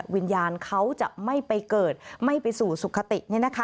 วิญญาณเขาจะไม่ไปเกิดไม่ไปสู่สุขติ